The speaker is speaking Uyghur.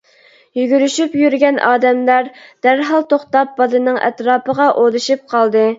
يۈگۈرۈشۈپ يۈرگەن ئادەملەر دەرھال توختاپ بالىنىڭ ئەتراپىغا ئولىشىپ قالدى.